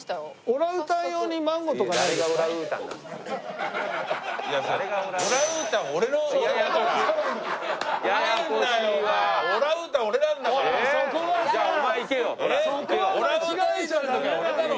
オランウータンイジリの時は俺だろ。